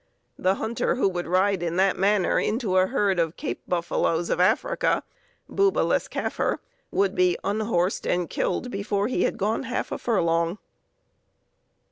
The hunter who would ride in that manner into a herd of the Cape buffaloes of Africa (Bubalus caffer) would be unhorsed and killed before he had gone half a furlong.